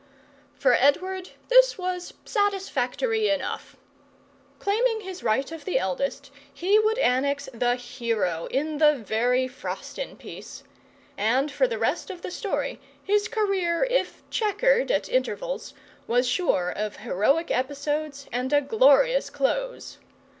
For Edward this was satisfactory enough. Claiming his right of the eldest, he would annex the hero in the very frontispiece; and for the rest of the story his career, if chequered at intervals, was sure of heroic episodes and a glorious close.